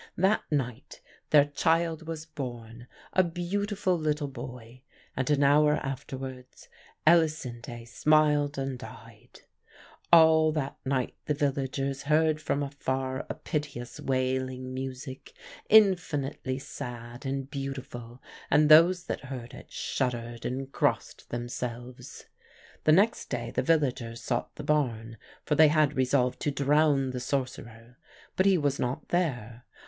That night their child was born, a beautiful little boy, and an hour afterwards Elisinde smiled and died. "All that night the villagers heard from afar a piteous wailing music, infinitely sad and beautiful, and those that heard it shuddered and crossed themselves. "The next day the villagers sought the barn, for they had resolved to drown the sorcerer; but he was not there.